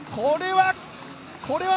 これは！